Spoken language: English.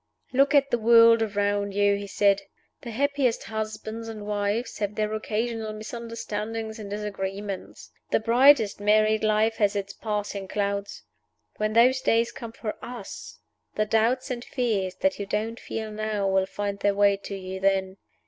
"Look at the world around you," he said. "The happiest husbands and wives have their occasional misunderstandings and disagreements; the brightest married life has its passing clouds. When those days come for us, the doubts and fears that you don't feel now will find their way to you then.